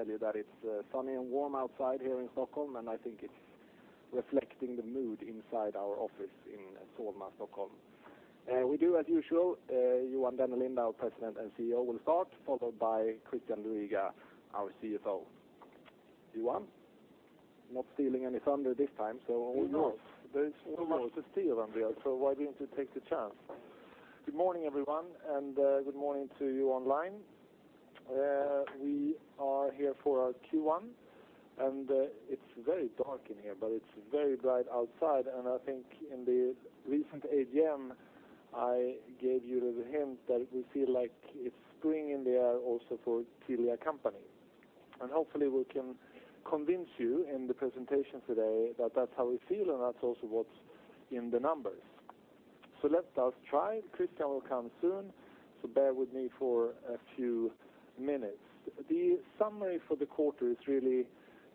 I can tell you that it's sunny and warm outside here in Stockholm, and I think it's reflecting the mood inside our office in Solna, Stockholm. We do as usual, Johan Dennelind, our President and CEO, will start, followed by Christian Luiga, our CFO. Johan, not stealing any thunder this time. All yours. No. There is so much to steal, Andreas. Why didn't you take the chance? Good morning, everyone. Good morning to you online. We are here for our Q1. It's very dark in here, but it's very bright outside. I think in the recent AGM, I gave you the hint that we feel like it's spring in the air also for Telia Company. Hopefully we can convince you in the presentation today that's how we feel, and that's also what's in the numbers. Let us try. Christian will come soon. Bear with me for a few minutes. The summary for the quarter is really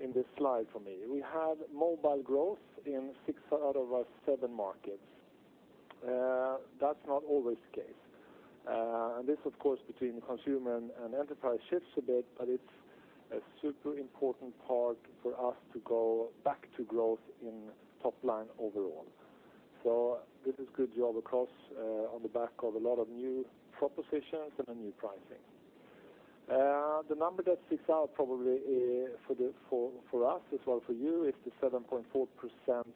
in this slide for me. We have mobile growth in six out of our seven markets. That's not always the case. This, of course, between consumer and enterprise shifts a bit, but it's a super important part for us to go back to growth in top line overall. This is good job, of course, on the back of a lot of new propositions and a new pricing. The number that sticks out probably for us as well for you is the 7.4%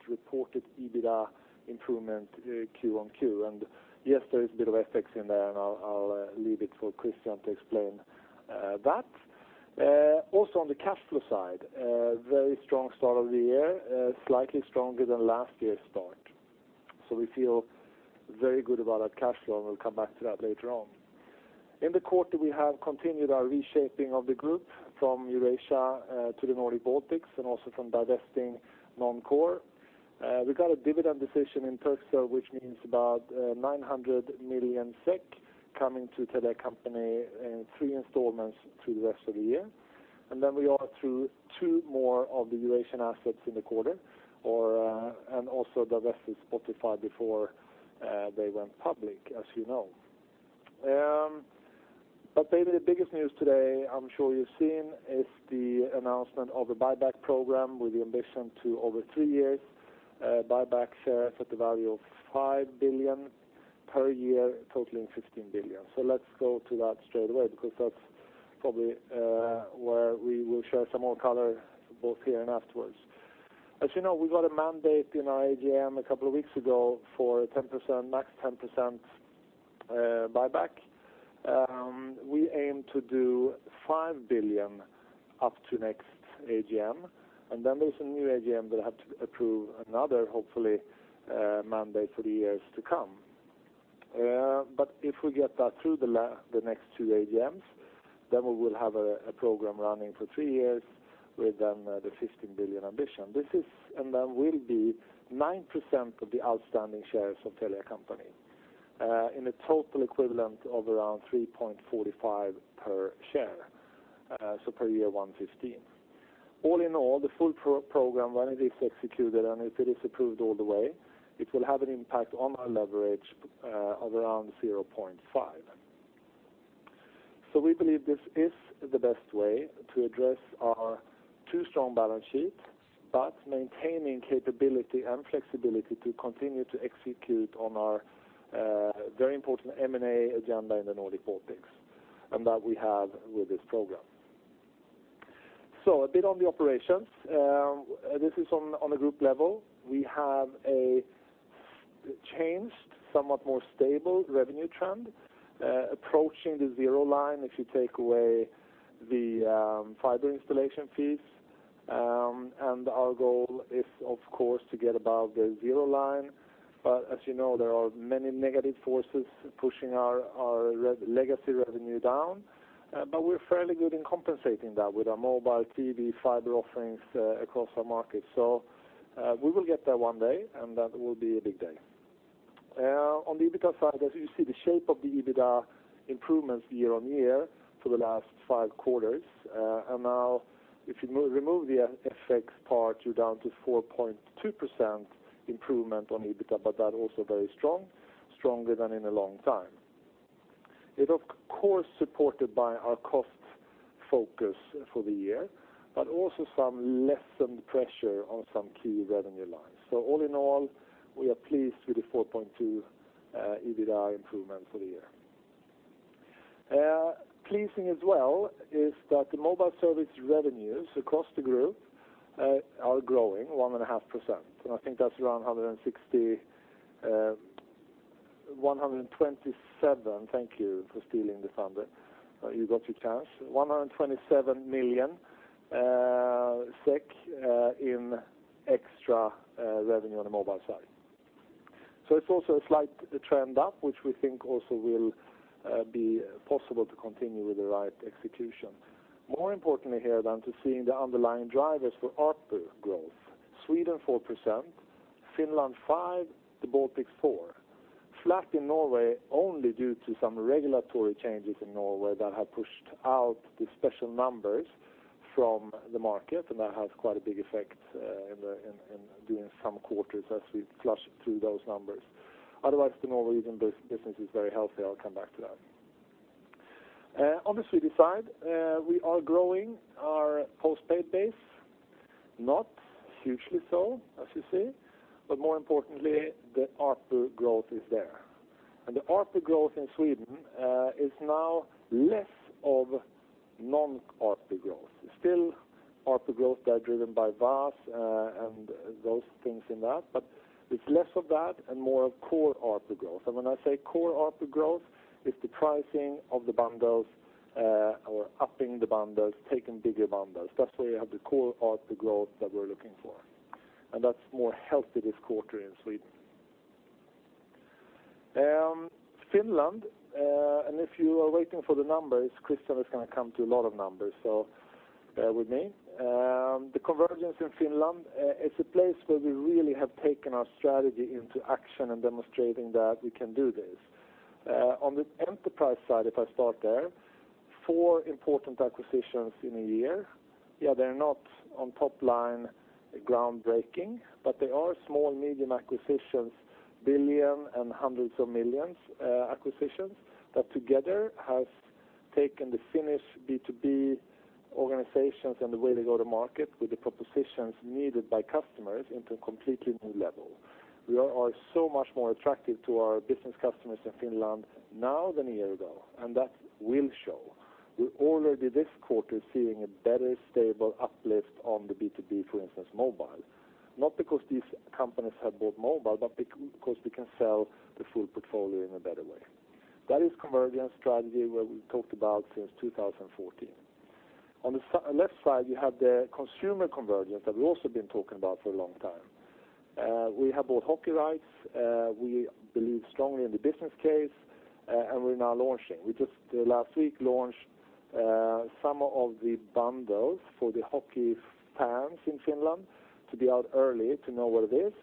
reported EBITDA improvement Q1 Q. Yes, there is a bit of FX in there, and I'll leave it for Christian to explain that. Also on the cash flow side, very strong start of the year, slightly stronger than last year's start. We feel very good about that cash flow, and we'll come back to that later on. In the quarter, we have continued our reshaping of the group from Eurasia to the Nordic Baltics and also from divesting non-core. We got a dividend decision in Turkcell, which means about 900 million SEK coming to Telia Company in three installments through the rest of the year. Then we are through two more of the Eurasian assets in the quarter, and also divested Spotify before they went public, as you know. Maybe the biggest news today, I'm sure you've seen, is the announcement of a buyback program with the ambition to, over three years, buy back shares at the value of 5 billion per year, totaling 15 billion. Let's go to that straight away because that's probably where we will share some more color both here and afterwards. As you know, we got a mandate in our AGM a couple of weeks ago for max 10% buyback. We aim to do 5 billion up to next AGM. There is a new AGM that will have to approve another, hopefully, mandate for the years to come. If we get that through the next two AGMs, we will have a program running for three years with the 15 billion ambition. This is, will be 9% of the outstanding shares of Telia Company in a total equivalent of around 3.45 per share, per year 1.15. All in all, the full program, when it is executed and if it is approved all the way, it will have an impact on our leverage of around 0.5. We believe this is the best way to address our too-strong balance sheet, maintaining capability and flexibility to continue to execute on our very important M&A agenda in the Nordic Baltics, that we have with this program. A bit on the operations. This is on a group level. We have a changed, somewhat more stable revenue trend approaching the zero line if you take away the fiber installation fees. Our goal is, of course, to get above the zero line. As you know, there are many negative forces pushing our legacy revenue down. We are fairly good in compensating that with our mobile TV fiber offerings across our market. We will get there one day, and that will be a big day. On the EBITDA side, as you see the shape of the EBITDA improvements year-on-year for the last five quarters. Now if you remove the FX part, you are down to 4.2% improvement on EBITDA, that also very strong, stronger than in a long time. It is of course, supported by our cost focus for the year, also some lessened pressure on some key revenue lines. All in all, we are pleased with the 4.2% EBITDA improvement for the year. Pleasing as well is that the mobile service revenues across the group are growing 1.5%. I think that is around 160, 127. Thank you for stealing the thunder. You got your chance. 127 million SEK in extra revenue on the mobile side. It is also a slight trend up, which we think also will be possible to continue with the right execution. More importantly here than seeing the underlying drivers for ARPU growth. Sweden 4%, Finland 5%, the Baltics 4%. Flat in Norway only due to some regulatory changes in Norway that have pushed out the special numbers. From the market, that has quite a big effect in doing some quarters as we flush through those numbers. Otherwise, the Norwegian business is very healthy. I will come back to that. On the Swedish side, we are growing our postpaid base, not hugely so, as you see, more importantly, the ARPU growth is there. The ARPU growth in Sweden is now less of non-ARPU growth. It is still ARPU growth that are driven by VAS, those things in that, it is less of that and more of core ARPU growth. When I say core ARPU growth, it is the pricing of the bundles, or upping the bundles, taking bigger bundles. That is where you have the core ARPU growth that we are looking for, and that is more healthy this quarter in Sweden. Finland, if you are waiting for the numbers, Christian is going to come to a lot of numbers, so bear with me. The convergence in Finland, it's a place where we really have taken our strategy into action and demonstrating that we can do this. On the enterprise side, if I start there, four important acquisitions in a year. Yeah, they're not on top-line groundbreaking, but they are small, medium acquisitions, 1 billion and hundreds of millions acquisitions, that together have taken the Finnish B2B organizations and the way they go to market with the propositions needed by customers into a completely new level. We are so much more attractive to our business customers in Finland now than a year ago, and that will show. We're already this quarter seeing a better stable uplift on the B2B, for instance, mobile, not because these companies have bought mobile, but because we can sell the full portfolio in a better way. That is convergence strategy where we talked about since 2014. On the left side, you have the consumer convergence that we've also been talking about for a long time. We have bought hockey rights, we believe strongly in the business case, and we're now launching. We just last week launched some of the bundles for the hockey fans in Finland to be out early, to know what it is,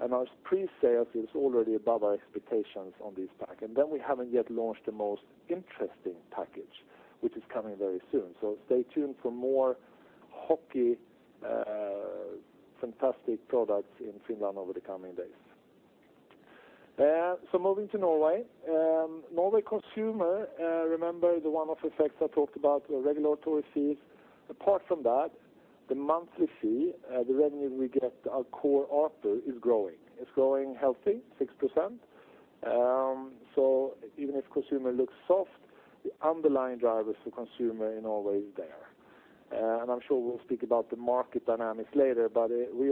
and our presale is already above our expectations on this pack. We haven't yet launched the most interesting package, which is coming very soon. Stay tuned for more hockey fantastic products in Finland over the coming days. Moving to Norway. Norway Consumer, remember the one-off effects I talked about, the regulatory fees. Apart from that, the monthly fee, the revenue we get, our core ARPU is growing. It's growing healthy, 6%. Even if consumer looks soft, the underlying drivers for consumer in Norway is there. I'm sure we'll speak about the market dynamics later, but we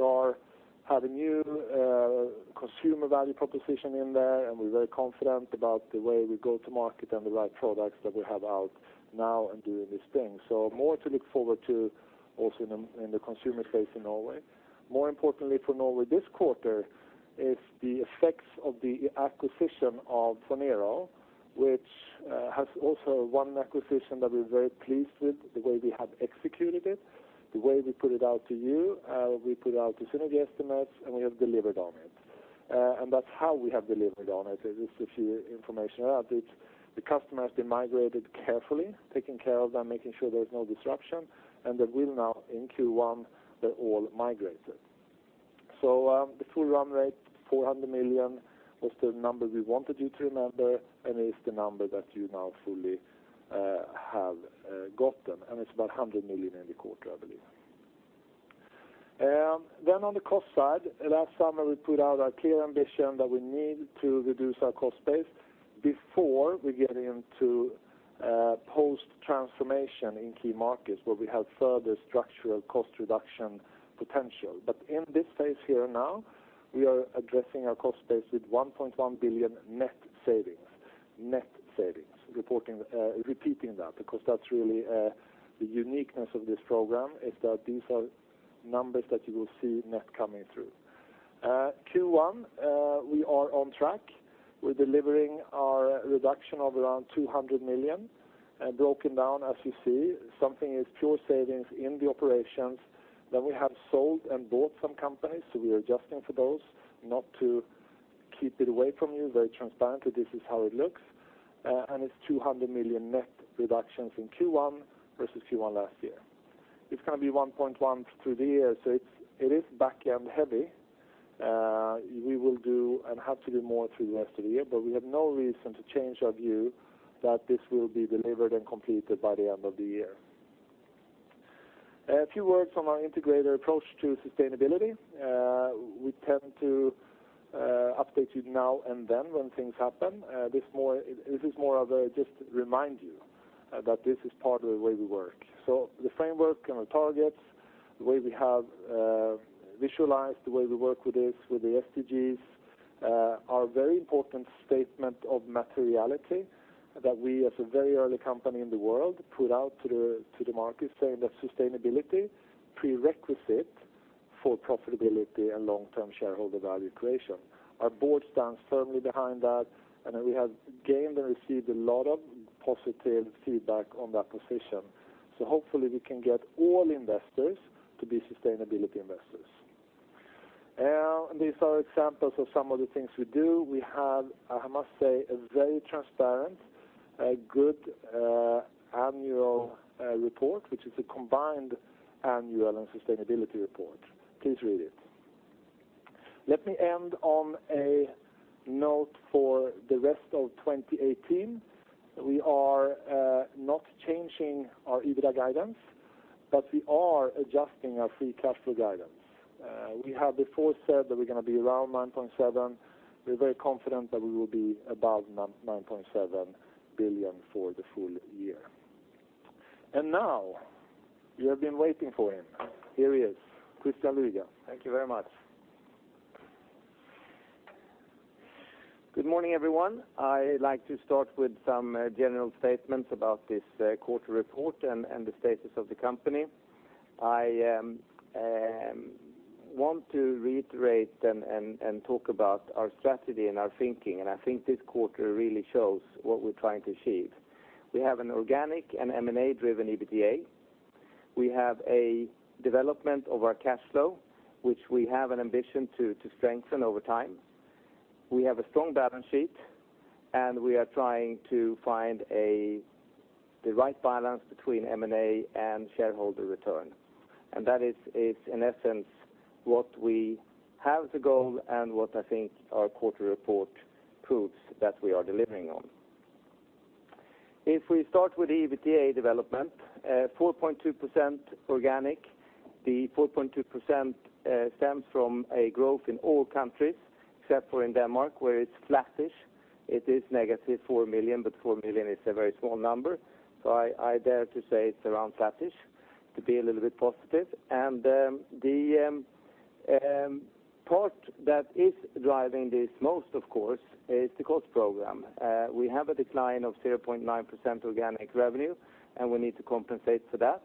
have a new consumer value proposition in there, and we're very confident about the way we go to market and the right products that we have out now and doing this thing. More to look forward to also in the consumer space in Norway. More importantly for Norway this quarter is the effects of the acquisition of Phonero, which has also one acquisition that we're very pleased with the way we have executed it, the way we put it out to you. We put out the synergy estimates, and we have delivered on it. That's how we have delivered on it, is just a few information added. The customer has been migrated carefully, taking care of them, making sure there's no disruption, and they will now in Q1, they're all migrated. The full run rate, 400 million was the number we wanted you to remember, and is the number that you now fully have gotten, and it's about 100 million in the quarter, I believe. On the cost side, last summer, we put out a clear ambition that we need to reduce our cost base before we get into post-transformation in key markets where we have further structural cost reduction potential. In this phase here now, we are addressing our cost base with 1.1 billion net savings. Net savings. Repeating that, because that's really the uniqueness of this program, is that these are numbers that you will see net coming through. Q1, we are on track. We're delivering our reduction of around 200 million. Broken down, as you see, something is pure savings in the operations. We have sold and bought some companies, so we are adjusting for those. Not to keep it away from you, very transparently, this is how it looks, and it's 200 million net reductions in Q1 versus Q1 last year. It's going to be 1.1 billion through the year, so it is back-end heavy. We will do and have to do more through the rest of the year, but we have no reason to change our view that this will be delivered and completed by the end of the year. A few words on our integrated approach to sustainability. We tend to update you now and then when things happen. This is more of a just remind you that this is part of the way we work. The framework and the targets, the way we have visualized, the way we work with this, with the SDGs, are very important statement of materiality that we, as a very early company in the world, put out to the market saying that sustainability, prerequisite for profitability and long-term shareholder value creation. Our board stands firmly behind that, we have gained and received a lot of positive feedback on that position. Hopefully we can get all investors to be sustainability investors. These are examples of some of the things we do. We have, I must say, a very transparent, good annual report, which is a combined annual and sustainability report. Please read it. Let me end on a note for the rest of 2018. We are not changing our EBITDA guidance, but we are adjusting our free cash flow guidance. We have before said that we're going to be around 9.7 billion. We're very confident that we will be above 9.7 billion for the full year. Now, you have been waiting for him. Here he is, Christian Luiga. Thank you very much. Good morning, everyone. I'd like to start with some general statements about this quarter report and the status of the company. I want to reiterate and talk about our strategy and our thinking, and I think this quarter really shows what we're trying to achieve. We have an organic and M&A-driven EBITDA. We have a development of our cash flow, which we have an ambition to strengthen over time. We have a strong balance sheet, and we are trying to find the right balance between M&A and shareholder return. That is, in essence, what we have the goal and what I think our quarter report proves that we are delivering on. If we start with the EBITDA development, 4.2% organic. The 4.2% stems from a growth in all countries, except for in Denmark, where it's flattish. It is negative 4 million. 4 million is a very small number. I dare to say it's around flattish, to be a little bit positive. The part that is driving this most, of course, is the cost program. We have a decline of 0.9% organic revenue. We need to compensate for that.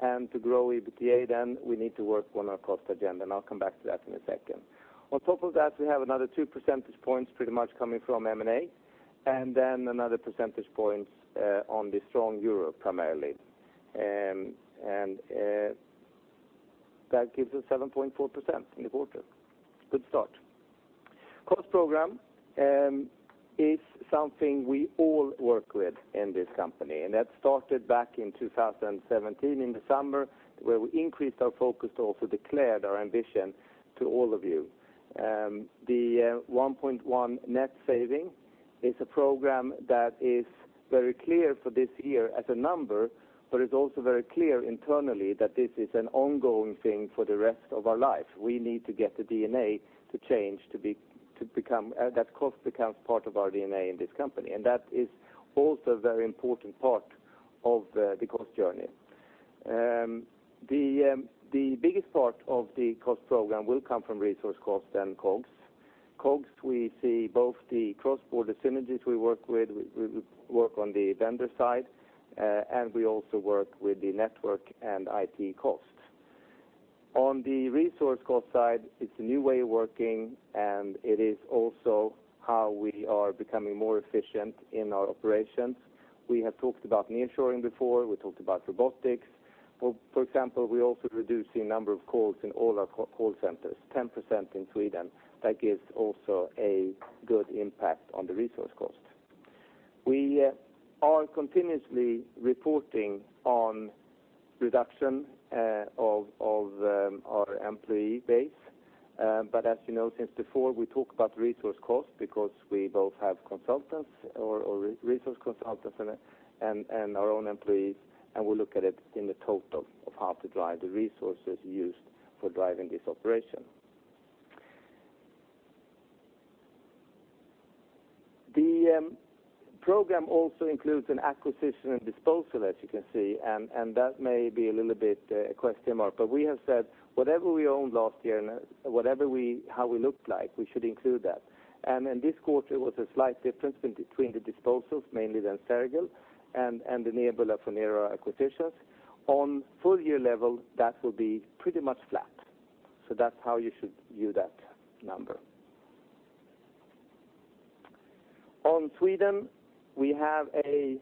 To grow EBITDA then, we need to work on our cost agenda. I'll come back to that in a second. On top of that, we have another two percentage points pretty much coming from M&A, and then another percentage point on the strong euro, primarily. That gives us 7.4% in the quarter. Good start. Cost program is something we all work with in this company. That started back in 2017 in the summer, where we increased our focus to also declare our ambition to all of you. The 1.1 net saving is a program that is very clear for this year as a number, but it's also very clear internally that this is an ongoing thing for the rest of our life. We need to get the DNA to change, that cost becomes part of our DNA in this company. That is also a very important part of the cost journey. The biggest part of the cost program will come from resource costs and COGS. COGS, we see both the cross-border synergies we work with. We work on the vendor side, and we also work with the network and IT costs. On the resource cost side, it's a new way of working, and it is also how we are becoming more efficient in our operations. We have talked about nearshoring before. We talked about robotics. For example, we're also reducing the number of calls in all our call centers, 10% in Sweden. That gives also a good impact on the resource cost. We are continuously reporting on reduction of our employee base. As you know, since before, we talk about resource cost because we both have resource consultants and our own employees, and we look at it in the total of how to drive the resources used for driving this operation. The program also includes an acquisition and disposal, as you can see, and that may be a little bit a question mark. We have said whatever we owned last year and how we looked like, we should include that. This quarter was a slight difference between the disposals, mainly then Sergel and the Nebula Phonero acquisitions. On full-year level, that will be pretty much flat. That's how you should view that number. On Sweden, we have a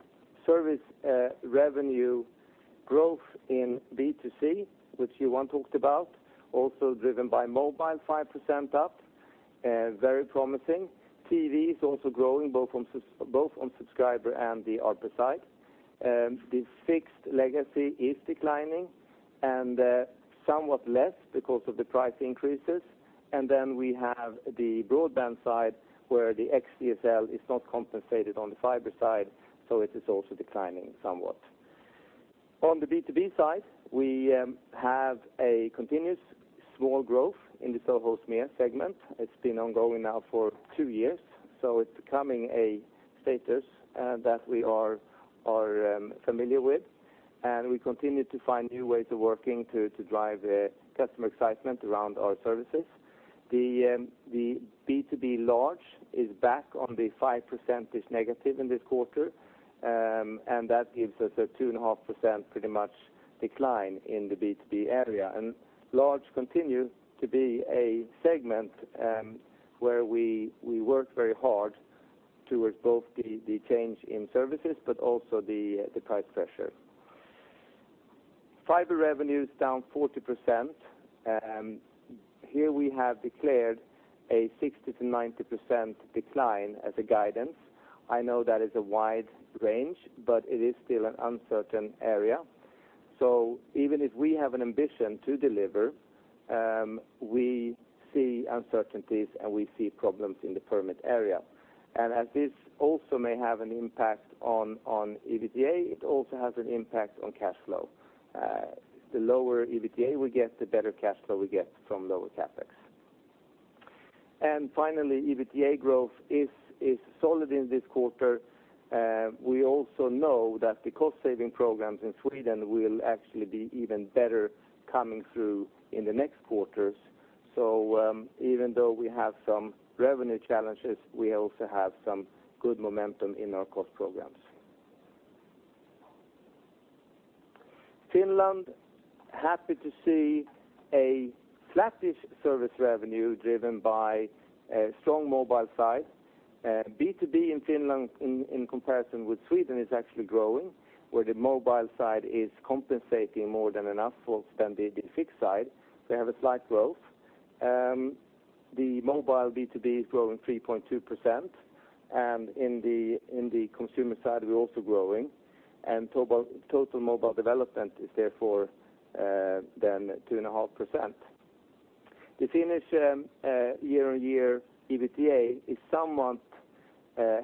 service revenue growth in B2C, which Johan talked about, also driven by mobile, 5% up. Very promising. TV is also growing both on subscriber and the ARPU side. The fixed legacy is declining and somewhat less because of the price increases. We have the broadband side, where the XDSL is not compensated on the fiber side, so it is also declining somewhat. On the B2B side, we have a continuous small growth in the Telco SME segment. It's been ongoing now for two years, so it's becoming a status that we are familiar with. We continue to find new ways of working to drive customer excitement around our services. The B2B Large is back on the 5% is negative in this quarter, that gives us a 2.5%, pretty much, decline in the B2B area. Large continue to be a segment where we work very hard towards both the change in services, but also the price pressure. Fiber revenue is down 40%. Here we have declared a 60%-90% decline as a guidance. I know that is a wide range, but it is still an uncertain area. Even if we have an ambition to deliver, we see uncertainties, and we see problems in the permit area. As this also may have an impact on EBITDA, it also has an impact on cash flow. The lower EBITDA we get, the better cash flow we get from lower CapEx. Finally, EBITDA growth is solid in this quarter. We also know that the cost-saving programs in Sweden will actually be even better coming through in the next quarters. Even though we have some revenue challenges, we also have some good momentum in our cost programs. Finland, happy to see a flattish service revenue driven by a strong mobile side. B2B in Finland in comparison with Sweden is actually growing, where the mobile side is compensating more than enough than the fixed side. They have a slight growth. The mobile B2B is growing 3.2%, and in the consumer side, we're also growing, and total mobile development is therefore then 2.5%. The Finnish year-on-year EBITDA is somewhat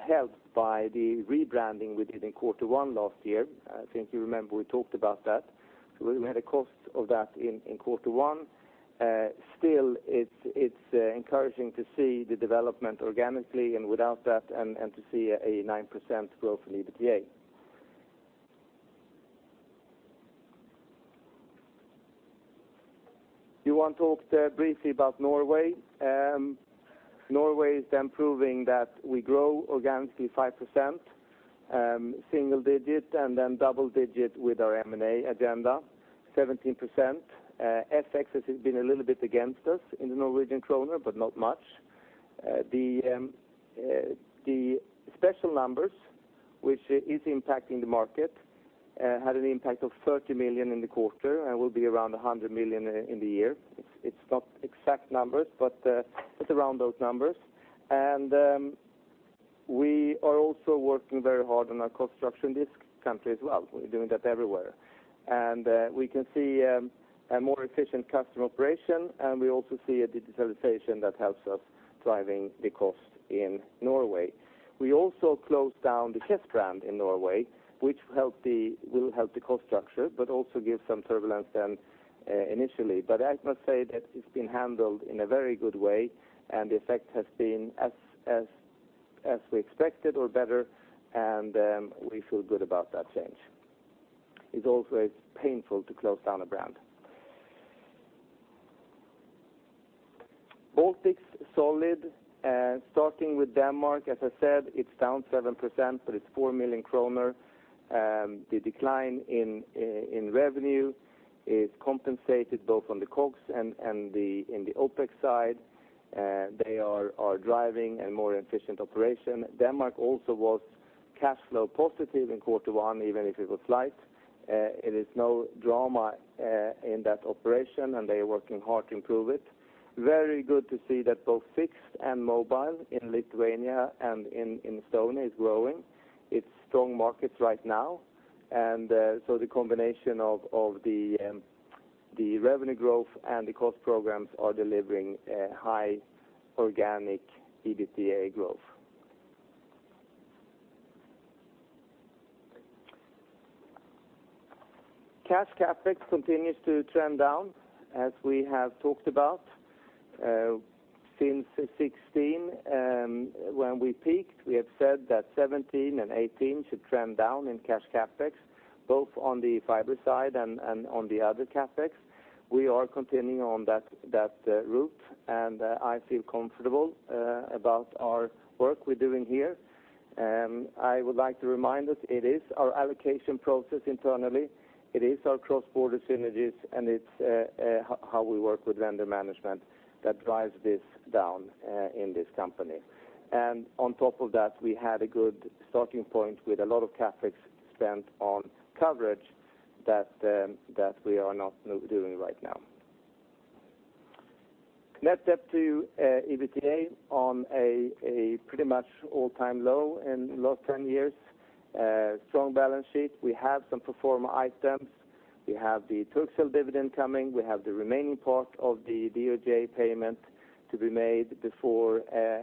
helped by the rebranding we did in Q1 last year. I think you remember we talked about that. We had a cost of that in Q1. Still, it's encouraging to see the development organically and without that, and to see a 9% growth in EBITDA. Johan talked briefly about Norway. Norway is proving that we grow organically 5%, single digit, and then double digit with our M&A agenda, 17%. FX has been a little bit against us in the Norwegian kroner, but not much. The special numbers, which is impacting the market, had an impact of 30 million in the quarter and will be around 100 million in the year. It's not exact numbers, but it's around those numbers. We are also working very hard on our cost structure in this country as well. We're doing that everywhere. We can see a more efficient customer operation, and we also see a digitalization that helps us driving the cost in Norway. We also closed down the Chess brand in Norway, which will help the cost structure, but also give some turbulence then initially. I must say that it's been handled in a very good way, and the effect has been as we expected or better, and we feel good about that change. It's always painful to close down a brand. Baltics, solid. Starting with Denmark, as I said, it's down 7%, but it's 4 million kroner. The decline in revenue is compensated both on the COGS and in the OpEx side. They are driving a more efficient operation. Denmark also was cash flow positive in Q1, even if it was slight. It is no drama in that operation, and they are working hard to improve it. Very good to see that both fixed and mobile in Lithuania and in Estonia is growing. It's strong markets right now. The combination of the revenue growth and the cost programs are delivering a high organic EBITDA growth. Cash CapEx continues to trend down as we have talked about. Since 2016, when we peaked, we have said that 2017 and 2018 should trend down in cash CapEx, both on the fiber side and on the other CapEx. We are continuing on that route, and I feel comfortable about our work we're doing here. I would like to remind us, it is our allocation process internally. It is our cross-border synergies, and it's how we work with vendor management that drives this down in this company. On top of that, we had a good starting point with a lot of CapEx spent on coverage that we are not doing right now. Net debt to EBITDA on a pretty much all-time low in the last 10 years. Strong balance sheet. We have some pro forma items. We have the Turkcell dividend coming. We have the remaining part of the DOJ payment to be made before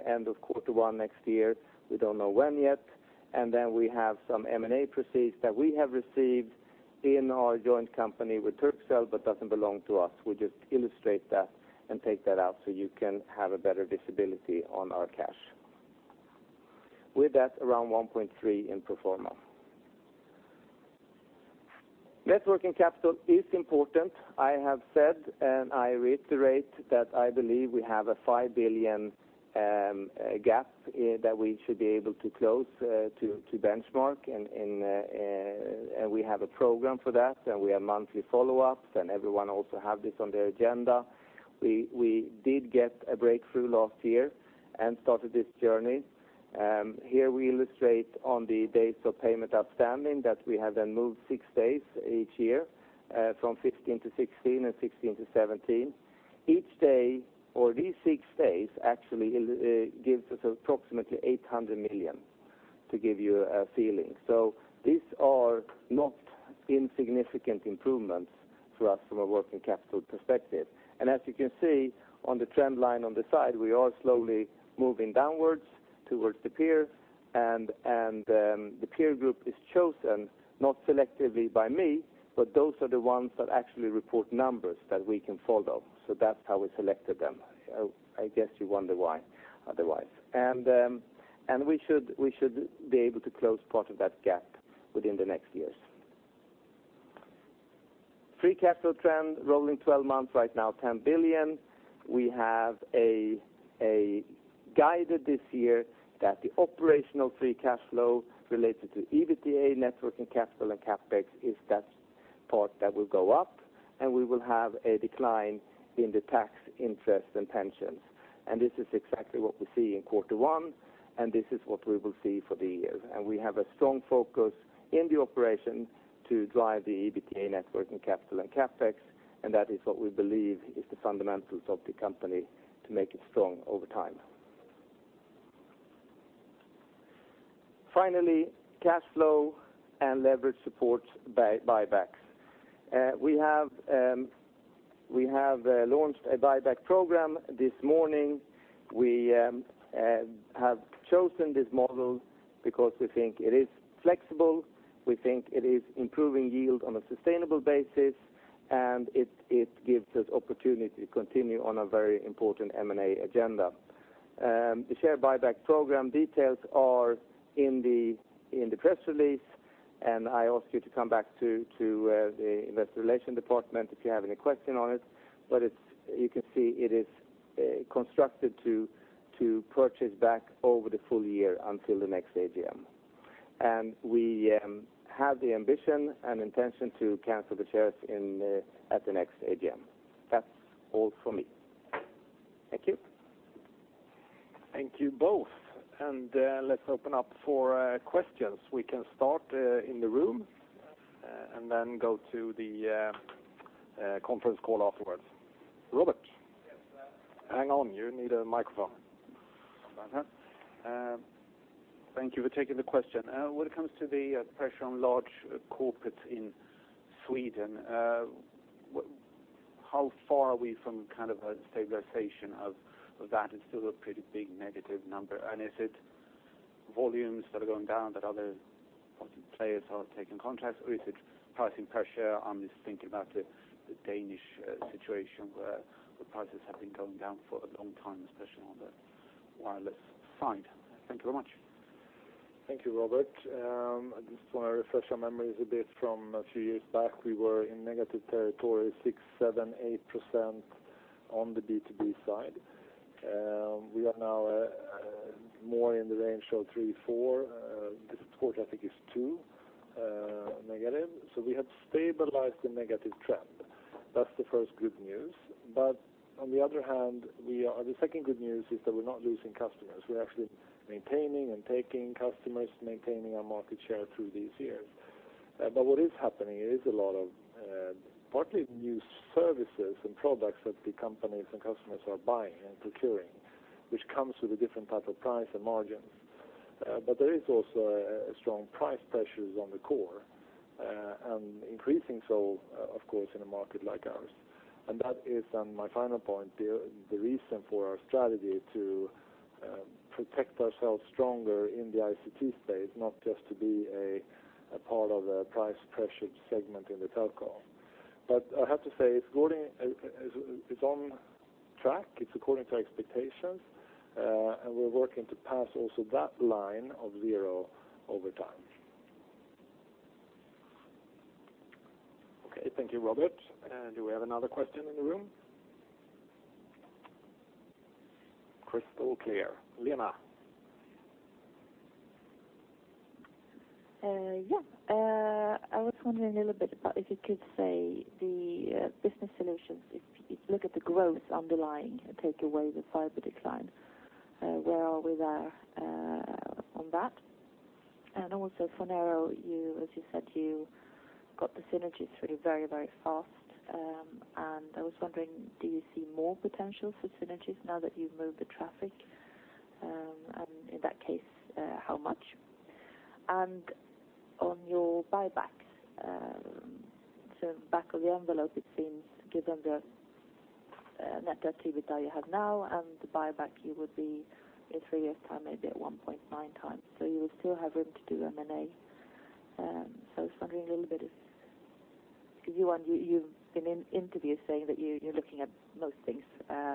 end of Q1 next year. We do not know when yet. Then we have some M&A proceeds that we have received in our joint company with Turkcell, but does not belong to us. We just illustrate that and take that out so you can have a better visibility on our cash. With that, around 1.3 in pro forma. Net working capital is important. I have said, and I reiterate that I believe we have a 5 billion gap that we should be able to close to benchmark, and we have a program for that, and we have monthly follow-ups, and everyone also have this on their agenda. We did get a breakthrough last year and started this journey. Here we illustrate on the days of payment outstanding that we have then moved six days each year from 2015 to 2016 and 2016 to 2017. These six days actually gives us approximately 800 million, to give you a feeling. These are not insignificant improvements for us from a working capital perspective. As you can see on the trend line on the side, we are slowly moving downwards towards the peer and the peer group is chosen not selectively by me, but those are the ones that actually report numbers that we can follow. That is how we selected them. I guess you wonder why otherwise. We should be able to close part of that gap within the next years. Free cash flow trend, rolling 12 months right now, 10 billion. We have guided this year that the operational free cash flow related to EBITDA, net working capital and CapEx is that part that will go up, and we will have a decline in the tax, interest, and pensions. This is exactly what we see in quarter one, and this is what we will see for the year. We have a strong focus in the operation to drive the EBITDA, net working capital, and CapEx, and that is what we believe is the fundamentals of the company to make it strong over time. Finally, cash flow and leverage supports buybacks. We have launched a buyback program this morning. We have chosen this model because we think it is flexible, we think it is improving yield on a sustainable basis, and it gives us opportunity to continue on a very important M&A agenda. The share buyback program details are in the press release. I ask you to come back to the investor relations department if you have any question on it, but you can see it is constructed to purchase back over the full year until the next AGM. We have the ambition and intention to cancel the shares at the next AGM. That's all for me. Thank you. Thank you both. Let's open up for questions. We can start in the room, and then go to the conference call afterwards. Robert. Yes. Hang on, you need a microphone. Thank you for taking the question. When it comes to the pressure on large corporates in Sweden, how far are we from a stabilization of that? It's still a pretty big negative number. Is it volumes that are going down that other players are taking contracts, or is it pricing pressure? I'm just thinking about the Danish situation where the prices have been going down for a long time, especially on the wireless side. Thank you very much. Thank you, Robert. I just want to refresh our memories a bit from a few years back. We were in negative territory, 6%, 7%, 8% on the B2B side. We are now more in the range of 3%, 4%. This quarter, I think it's 2% negative. We have stabilized the negative trend. That's the first good news. On the other hand, the second good news is that we're not losing customers. We're actually maintaining and taking customers, maintaining our market share through these years. What is happening is a lot of partly new services and products that the companies and customers are buying and procuring, which comes with a different type of price and margins. There is also a strong price pressures on the core, and increasing so, of course, in a market like ours. That is my final point, the reason for our strategy to protect ourselves stronger in the ICT space, not just to be a part of a price-pressured segment in the telco. I have to say, it's on track. It's according to expectations. We're working to pass also that line of zero over time. Okay. Thank you, Robert. Do we have another question in the room? Crystal Clear. Lena. Yeah. I was wondering a little bit about if you could say the business solutions, if you look at the growth underlying and take away the fiber decline, where are we there on that? Also, Phonero, as you said, you got the synergies through very fast. I was wondering, do you see more potential for synergies now that you've moved the traffic? In that case, how much? On your buybacks, back of the envelope, it seems given the net debt to EBITDA you have now, and the buyback, you would be in three years' time, maybe at 1.9 times. You will still have room to do M&A. I was wondering a little bit, because you've been in interviews saying that you're looking at those things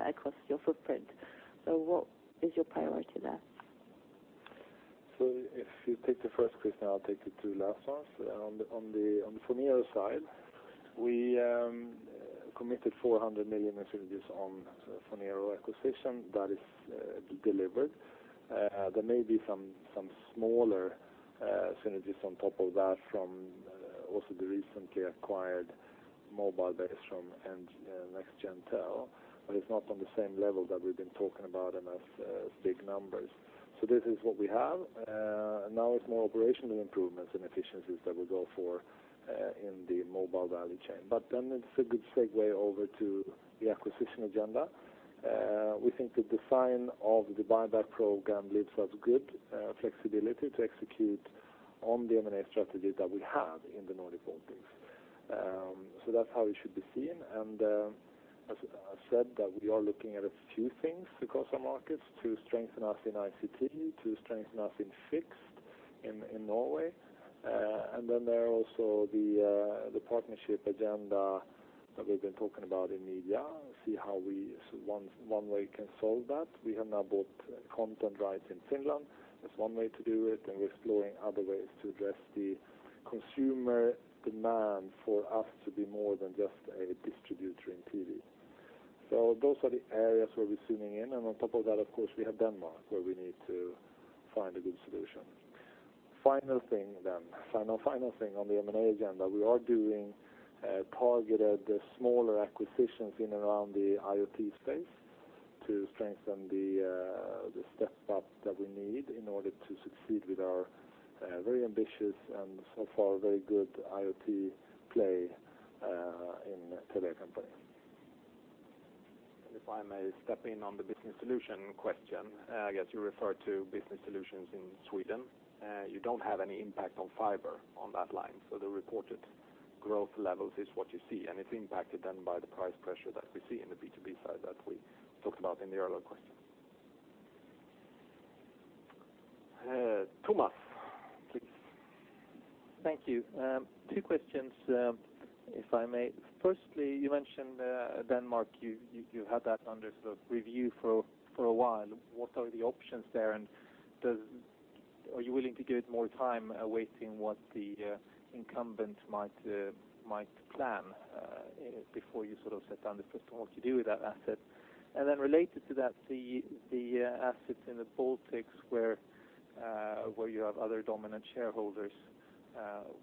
across your footprint. What is your priority there? If you take the first question, I'll take the two last ones. On the Phonero side, we committed 400 million in synergies on Phonero acquisition. That is delivered. There may be some smaller synergies on top of that from The recently acquired mobile base from NextGenTel, but it's not on the same level that we've been talking about and as big numbers. This is what we have. Now it's more operational improvements and efficiencies that we go for in the mobile value chain. It's a good segue over to the acquisition agenda. We think the design of the buyback program leaves us good flexibility to execute on the M&A strategy that we have in the Nordic Baltics. That's how it should be seen, and as I said, that we are looking at a few things across our markets to strengthen us in ICT, to strengthen us in fixed in Norway. There are also the partnership agenda that we've been talking about in media, see how we one way can solve that. We have now bought content rights in Finland. That's one way to do it, we're exploring other ways to address the consumer demand for us to be more than just a distributor in TV. Those are the areas where we're zooming in, and on top of that, of course, we have Denmark, where we need to find a good solution. Final thing. Final thing on the M&A agenda. We are doing targeted smaller acquisitions in and around the IoT space to strengthen the step up that we need in order to succeed with our very ambitious and so far very good IoT play in Telia Company. If I may step in on the business solution question, I guess you refer to business solutions in Sweden. You don't have any impact on fiber on that line. The reported growth levels is what you see, and it's impacted then by the price pressure that we see in the B2B side that we talked about in the earlier question. Tomas, please. Thank you. 2 questions, if I may. Firstly, you mentioned Telia Denmark. You had that under sort of review for a while. What are the options there, and are you willing to give it more time awaiting what the incumbents might plan before you sort of set down the pistol what you do with that asset? Related to that, the assets in the Baltics where you have other dominant shareholders,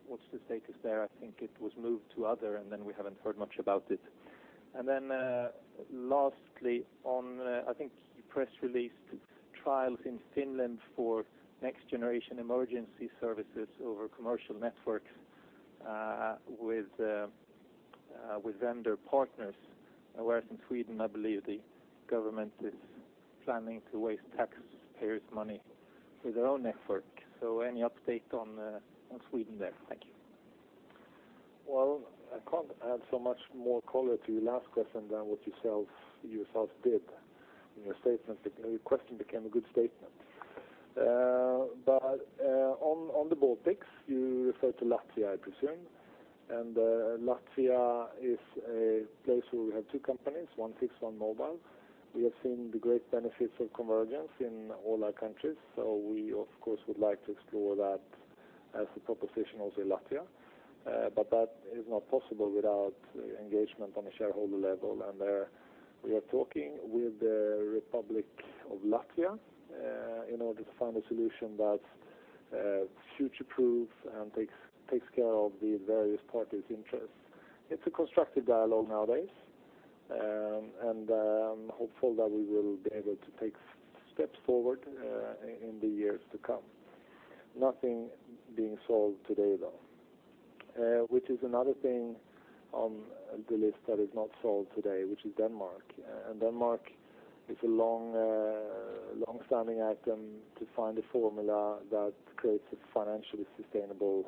what's the status there? I think it was moved to other, and then we haven't heard much about it. Lastly on, I think you press released trials in Finland for next generation emergency services over commercial networks with vendor partners. Whereas in Sweden, I believe the government is planning to waste taxpayers' money with their own network. Any update on Sweden there? Thank you. I can't add so much more color to your last question than what you yourself did in your statement. Your question became a good statement. On the Baltics, you refer to Latvia, I presume, and Latvia is a place where we have 2 companies, one fixed, one mobile. We have seen the great benefits of convergence in all our countries, we of course would like to explore that as a proposition also in Latvia. That is not possible without engagement on a shareholder level. There we are talking with the Republic of Latvia in order to find a solution that's future-proof and takes care of the various parties' interests. It's a constructive dialogue nowadays, I'm hopeful that we will be able to take steps forward in the years to come. Nothing being solved today, though. Which is another thing on the list that is not solved today, which is Telia Denmark. Telia Denmark is a longstanding item to find a formula that creates a financially sustainable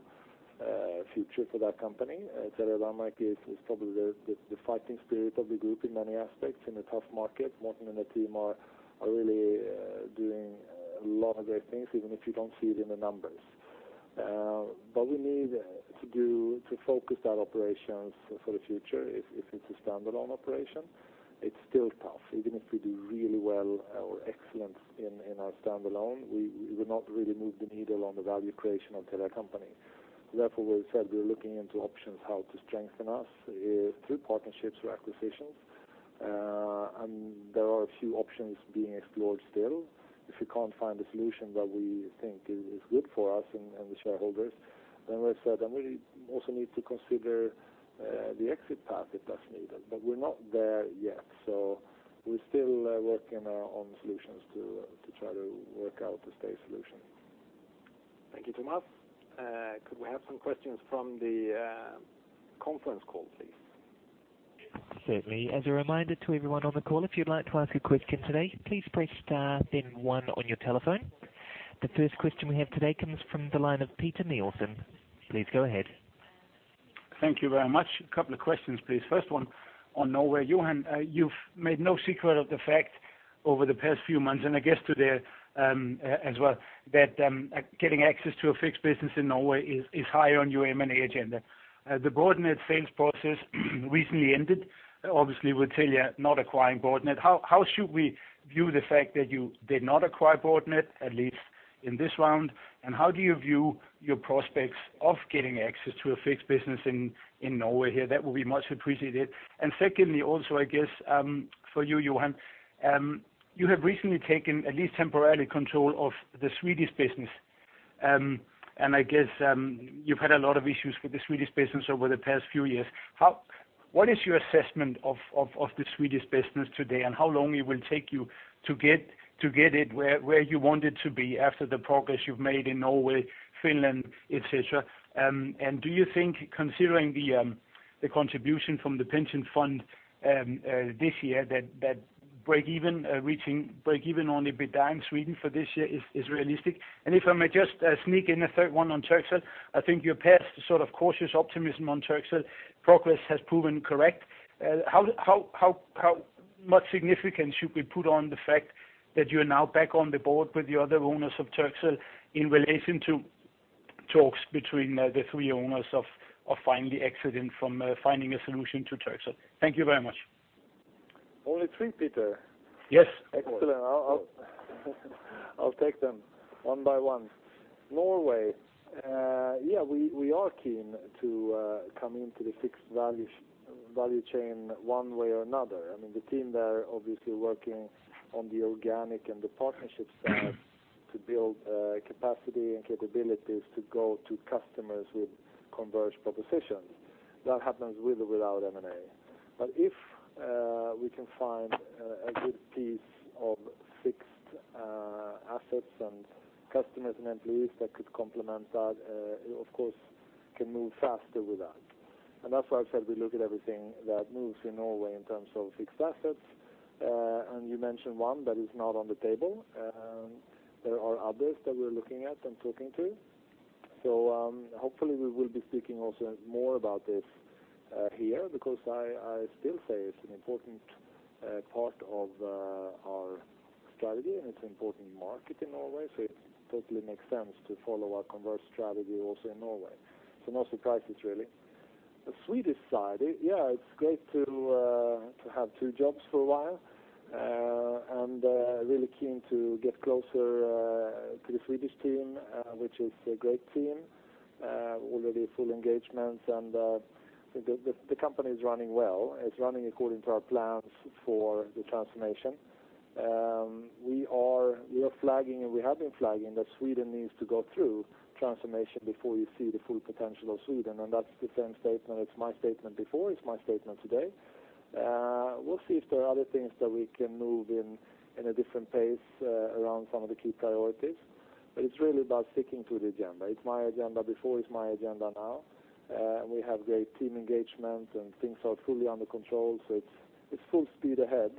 future for that company. Telia Denmark is probably the fighting spirit of the group in many aspects, in a tough market. Morten and the team are really doing a lot of great things, even if you don't see it in the numbers. We need to focus our operations for the future. If it's a standalone operation, it's still tough. Even if we do really well or excellent in our standalone, we would not really move the needle on the value creation of Telia Company. Therefore, we said we're looking into options how to strengthen us through partnerships or acquisitions, there are a few options being explored still. If we can't find a solution that we think is good for us and the shareholders, we said we also need to consider the exit path if that's needed. We're not there yet, we're still working on solutions to try to work out a stay solution. Thank you, Tomas. Could we have some questions from the conference call, please? Certainly. As a reminder to everyone on the call, if you'd like to ask a question today, please press star then one on your telephone. The first question we have today comes from the line of Peter Nielsen. Please go ahead. Thank you very much. A couple of questions, please. First one on Norway. Johan, you've made no secret of the fact over the past few months, and I guess today as well, that getting access to a fixed business in Norway is high on your M&A agenda. The Broadnet sales process recently ended. Obviously, with Telia not acquiring Broadnet. How should we view the fact that you did not acquire Broadnet, at least in this round, and how do you view your prospects of getting access to a fixed business in Norway here? That would be much appreciated. Secondly, also, I guess, for you, Johan, you have recently taken, at least temporarily, control of the Swedish business. I guess you've had a lot of issues with the Swedish business over the past few years. What is your assessment of the Swedish business today, and how long it will take you to get it where you want it to be after the progress you've made in Norway, Finland, et cetera? Do you think, considering the contribution from the pension fund this year, that reaching breakeven on EBITDA in Sweden for this year is realistic? If I may just sneak in a third one on Turkcell, I think your past cautious optimism on Turkcell progress has proven correct. How much significance should we put on the fact that you are now back on the board with the other owners of Turkcell in relation to talks between the three owners of finally exiting from finding a solution to Turkcell? Thank you very much. Only three, Peter? Yes. Excellent. I'll take them one by one. Norway. Yeah, we are keen to come into the fixed value chain one way or another. The team there obviously working on the organic and the partnership side to build capacity and capabilities to go to customers with converged propositions. That happens with or without M&A. If we can find a good piece of fixed assets and customers and end-users that could complement that, of course, can move faster with that. That's why I've said we look at everything that moves in Norway in terms of fixed assets. You mentioned one that is not on the table. There are others that we're looking at and talking to. Hopefully we will be speaking also more about this here, because I still say it's an important part of our strategy, and it's an important market in Norway, so it totally makes sense to follow our converged strategy also in Norway. No surprises, really. The Swedish side, yeah, it's great to have two jobs for a while, and really keen to get closer to the Swedish team, which is a great team. Already full engagement and the company is running well. It's running according to our plans for the transformation. We are flagging and we have been flagging that Sweden needs to go through transformation before you see the full potential of Sweden. That's the same statement, it's my statement before, it's my statement today. We'll see if there are other things that we can move in a different pace around some of the key priorities. It's really about sticking to the agenda. It's my agenda before, it's my agenda now. We have great team engagement and things are fully under control, so it's full speed ahead.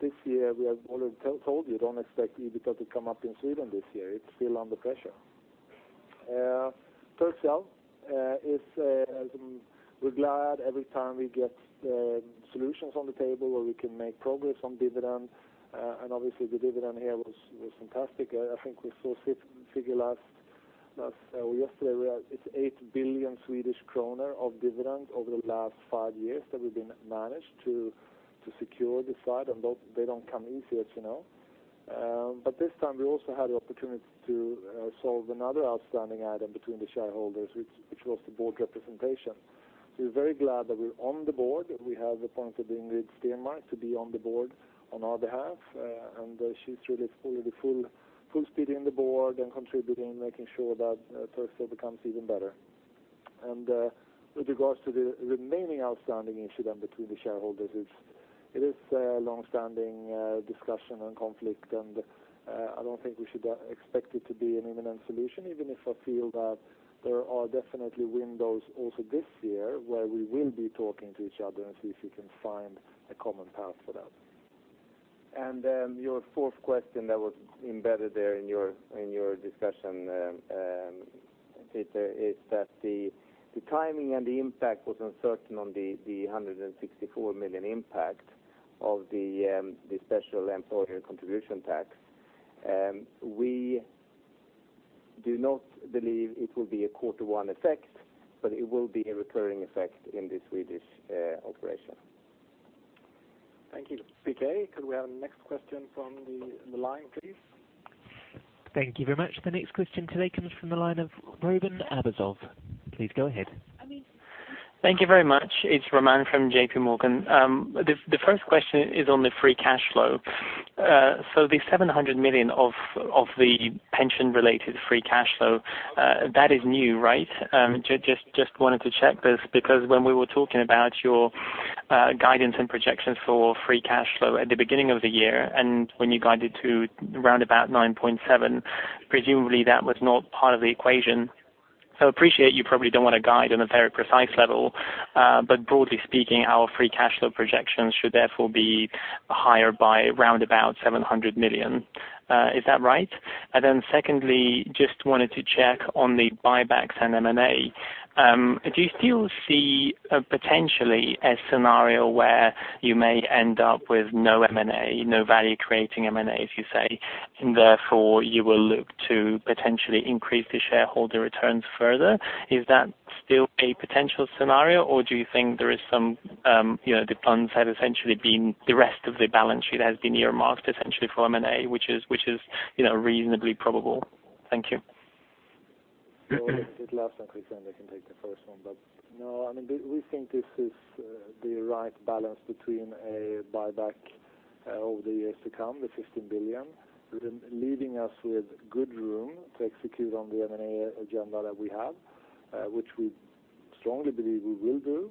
This year we have already told you, don't expect EBITDA to come up in Sweden this year. It's still under pressure. Turkcell, we're glad every time we get solutions on the table where we can make progress on dividends. Obviously the dividend here was fantastic. I think we saw a figure yesterday where it's 8 billion Swedish kronor of dividends over the last five years that we've managed to secure the side, and they don't come easy, as you know. This time we also had the opportunity to solve another outstanding item between the shareholders, which was the board representation. We're very glad that we're on the board. We have appointed Ingrid Stenmark to be on the board on our behalf, and she's really fully full speed in the board and contributing, making sure that Turkcell becomes even better. With regards to the remaining outstanding issue then between the shareholders, it is a long-standing discussion and conflict, I don't think we should expect it to be an imminent solution, even if I feel that there are definitely windows also this year where we will be talking to each other and see if we can find a common path for that. Your fourth question that was embedded there in your discussion, Peter, is that the timing and the impact was uncertain on the 164 million impact of the special employer contribution tax. We do not believe it will be a quarter one effect, it will be a recurring effect in the Swedish operation. Thank you. PK, could we have the next question from the line, please? Thank you very much. The next question today comes from the line of Roman Abasov. Please go ahead. Thank you very much. It is Roman from JP Morgan. The first question is on the free cash flow. The 700 million of the pension-related free cash flow, that is new, right? Just wanted to check this because when we were talking about your guidance and projections for free cash flow at the beginning of the year, when you guided to around about 9.7 billion, presumably that was not part of the equation. Appreciate you probably don't want to guide on a very precise level, but broadly speaking, our free cash flow projections should therefore be higher by around about 700 million. Is that right? Secondly, just wanted to check on the buybacks and M&A. Do you still see potentially a scenario where you may end up with no M&A, no value-creating M&A, as you say, and therefore you will look to potentially increase the shareholder returns further? Is that still a potential scenario, or do you think there is some plans have essentially been the rest of the balance sheet has been earmarked essentially for M&A, which is reasonably probable? Thank you. If it lasts until the end, I can take the first one. No, we think this is the right balance between a buyback over the years to come, the 15 billion, leaving us with good room to execute on the M&A agenda that we have, which we strongly believe we will do,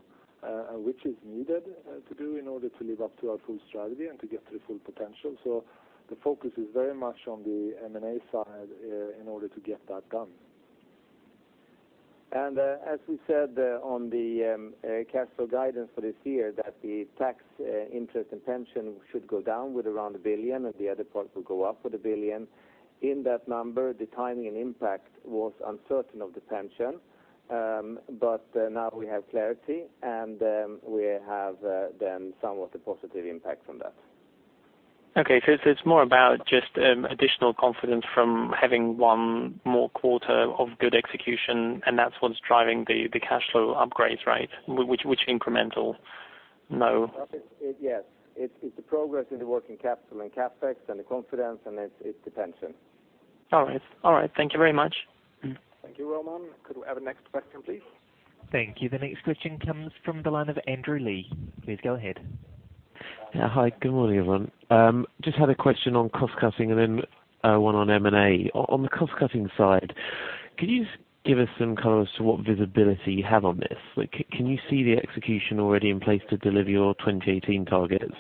and which is needed to do in order to live up to our full strategy and to get to the full potential. The focus is very much on the M&A side in order to get that done. As we said on the cash flow guidance for this year, that the tax interest and pension should go down with around 1 billion and the other part will go up with 1 billion. In that number, the timing and impact was uncertain of the pension. Now we have clarity, and we have then some of the positive impact from that. Okay. It's more about just additional confidence from having one more quarter of good execution, and that's what's driving the cash flow upgrades, right? Which incremental? No. Yes. It's the progress in the working capital and CapEx and the confidence, and it's the pension. All right. Thank you very much. Thank you, Roman. Could we have the next question, please? Thank you. The next question comes from the line of Andrew Lee. Please go ahead. Hi, good morning, everyone. Just had a question on cost-cutting and then one on M&A. On the cost-cutting side, could you give us some color as to what visibility you have on this? Can you see the execution already in place to deliver your 2018 targets?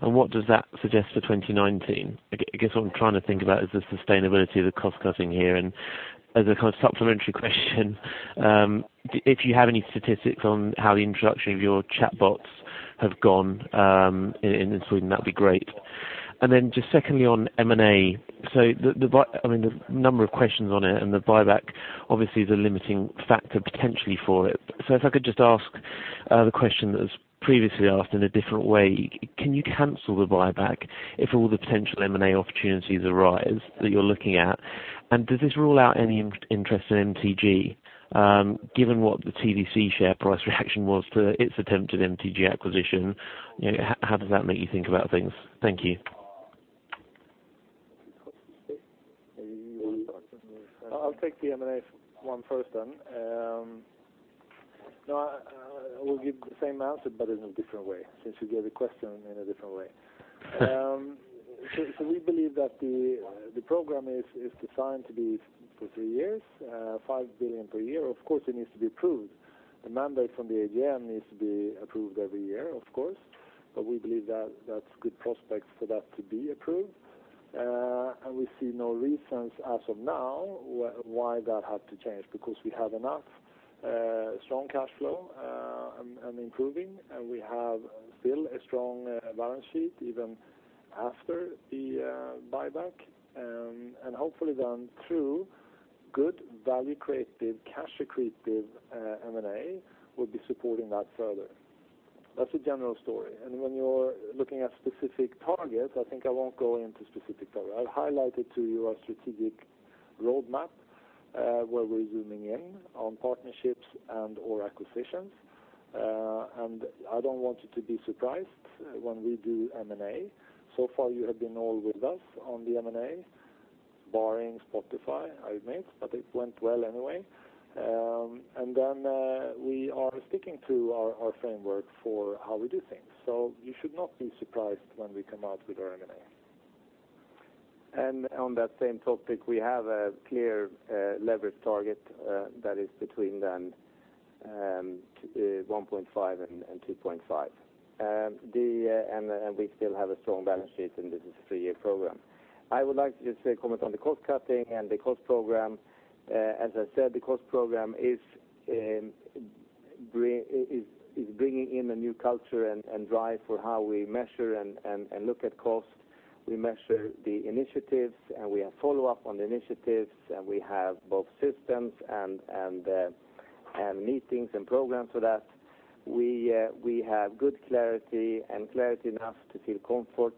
What does that suggest for 2019? I guess what I'm trying to think about is the sustainability of the cost-cutting here. As a kind of supplementary question, if you have any statistics on how the introduction of your chatbots have gone in Sweden, that'd be great. Then just secondly, on M&A. The number of questions on it and the buyback obviously is a limiting factor potentially for it. If I could just ask the question that was previously asked in a different way, can you cancel the buyback if all the potential M&A opportunities arise that you're looking at? Does this rule out any interest in MTG? Given what the TDC share price reaction was to its attempted MTG acquisition, how does that make you think about things? Thank you. You want to start? I'll take the M&A one first then. I will give the same answer, but in a different way, since you gave the question in a different way. We believe that the program is designed to be for 3 years, 5 billion per year. Of course, it needs to be approved. A mandate from the AGM needs to be approved every year, of course. We believe that's good prospects for that to be approved. We see no reasons as of now why that had to change, because we have enough strong cash flow and improving, and we have still a strong balance sheet even after the buyback. Hopefully through good value-creative, cash-accretive M&A, we'll be supporting that further. That's the general story. When you're looking at specific targets, I think I won't go into specific targets. I highlighted to you our strategic roadmap, where we're zooming in on partnerships and/or acquisitions. I don't want you to be surprised when we do M&A. So far you have been all with us on the M&A, barring Spotify, I admit, but it went well anyway. We are sticking to our framework for how we do things. You should not be surprised when we come out with our M&A. On that same topic, we have a clear leverage target that is between 1.5 and 2.5. We still have a strong balance sheet, and this is a 3-year program. I would like to just comment on the cost-cutting and the cost program. As I said, the cost program is bringing in a new culture and drive for how we measure and look at cost. We measure the initiatives, and we have follow-up on the initiatives, and we have both systems and meetings and programs for that. We have good clarity and clarity enough to feel comfort.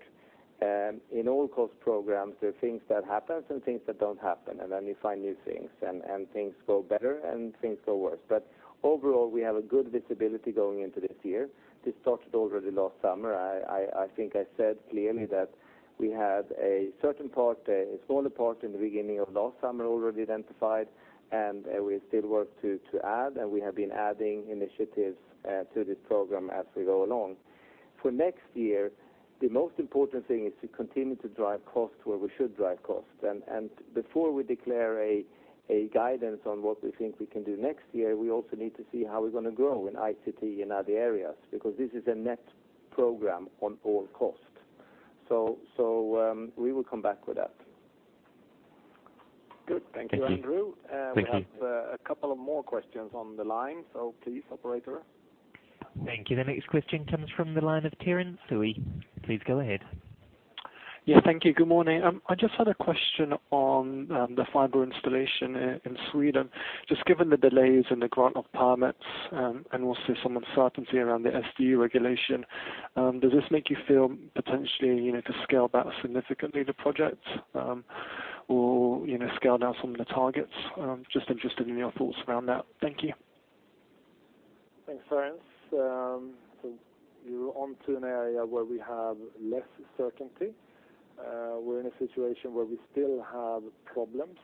In all cost programs, there are things that happen and things that don't happen, and then you find new things, and things go better and things go worse. Overall, we have a good visibility going into this year. This started already last summer. I think I said clearly that we had a certain part, a smaller part in the beginning of last summer already identified, and we still work to add, and we have been adding initiatives to this program as we go along. For next year, the most important thing is to continue to drive cost where we should drive cost. Before we declare a guidance on what we think we can do next year, we also need to see how we're going to grow in ICT and other areas, because this is a net program on all cost. We will come back with that. Good. Thank you, Andrew. Thank you. We have a couple of more questions on the line. Please, operator. Thank you. The next question comes from the line of Kieran Clancy. Please go ahead. Yeah. Thank you. Good morning. I just had a question on the fiber installation in Sweden. Given the delays in the grant of permits, also some uncertainty around the SDU regulation, does this make you feel potentially to scale back significantly the project, or scale down some of the targets? Just interested in your thoughts around that. Thank you. Thanks, Kieran. You're onto an area where we have less certainty. We're in a situation where we still have problems,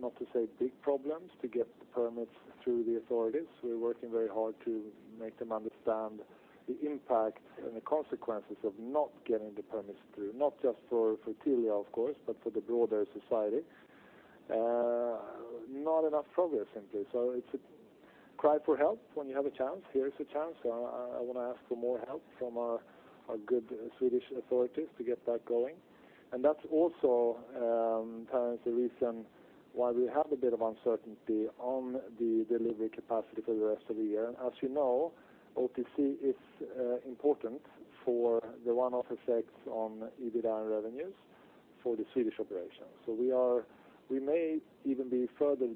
not to say big problems, to get the permits through the authorities. We're working very hard to make them understand the impact and the consequences of not getting the permits through, not just for Telia of course, but for the broader society. Not enough progress simply. It's a cry for help when you have a chance. Here is a chance, I want to ask for more help from our good Swedish authorities to get that going. That's also, Kieran, the reason why we have a bit of uncertainty on the delivery capacity for the rest of the year. As you know, OTC is important for the one-off effects on EBITDA and revenues for the Swedish operation. We may even be further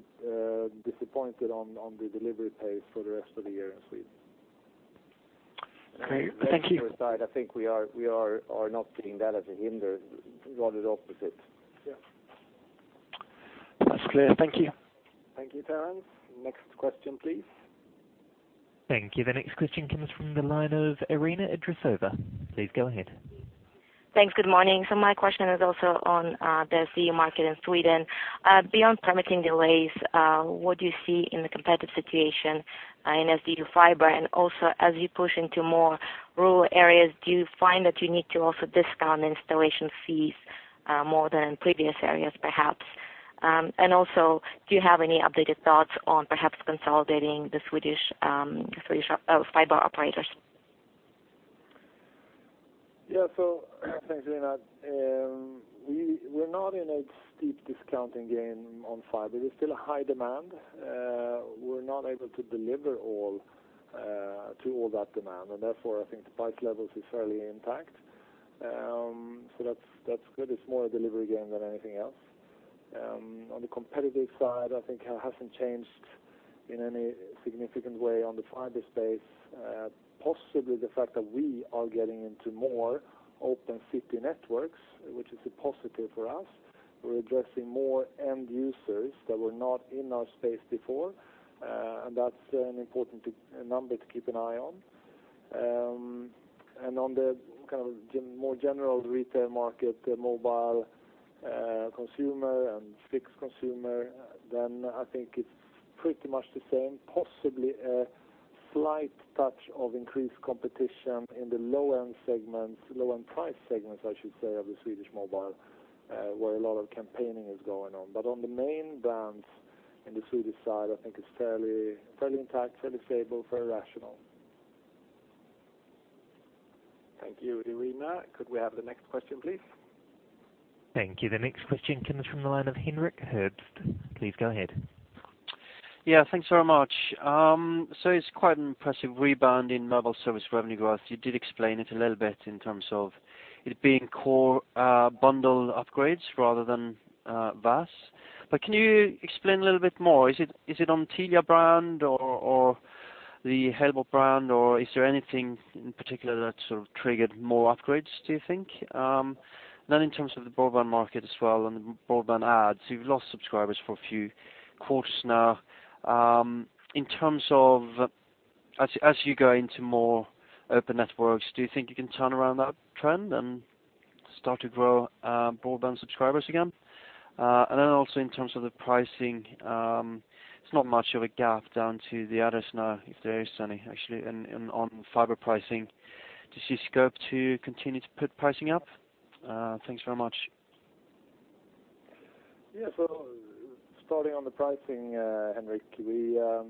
disappointed on the delivery pace for the rest of the year in Sweden. Great. Thank you. I think we are not seeing that as a hinder, rather the opposite. Yeah. That's clear. Thank you. Thank you, Kieran. Next question, please. Thank you. The next question comes from the line of Irina Ponomareva. Please go ahead. Thanks. Good morning. My question is also on the CD market in Sweden. Beyond permitting delays, what do you see in the competitive situation in FTTH fiber? As you push into more rural areas, do you find that you need to also discount installation fees more than previous areas perhaps? Do you have any updated thoughts on perhaps consolidating the Swedish fiber operators? Yeah. Thanks, Irina. We're not in a steep discounting game on fiber. There's still a high demand. We're not able to deliver to all that demand, and therefore, I think the price levels are fairly intact. That's good. It's more a delivery game than anything else. On the competitive side, I think it hasn't changed in any significant way on the fiber space. Possibly the fact that we are getting into more open access networks, which is a positive for us. We're addressing more end users that were not in our space before. That's an important number to keep an eye on. On the more general retail market, the mobile consumer and fixed consumer, then I think it's pretty much the same, possibly a slight touch of increased competition in the low-end price segments of the Swedish mobile, where a lot of campaigning is going on. On the main brands in the Swedish side, I think it's fairly intact, fairly stable, very rational. Thank you, Irina. Could we have the next question, please? Thank you. The next question comes from the line of Henrik Herbst. Please go ahead. Yeah. Thanks very much. It's quite an impressive rebound in mobile service revenue growth. You did explain it a little bit in terms of it being core bundle upgrades rather than VAS. Can you explain a little bit more, is it on Telia brand or the Halebop brand, or is there anything in particular that sort of triggered more upgrades, do you think? In terms of the broadband market as well, and the broadband adds, you've lost subscribers for a few quarters now. In terms of as you go into more open networks, do you think you can turn around that trend and start to grow broadband subscribers again? Also in terms of the pricing, it's not much of a gap down to the others now, if there is any actually on fiber pricing. Do you see scope to continue to put pricing up? Thanks very much. Yeah. Starting on the pricing, Henrik, we are